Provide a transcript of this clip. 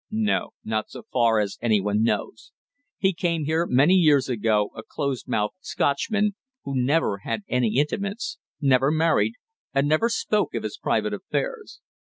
"No, not so far as any one knows. He came here many years ago, a close mouthed Scotchman, who never had any intimates, never married, and never spoke of his private affairs."